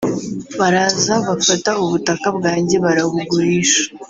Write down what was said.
baraza bafata ubutaka bwanjye barabugurisha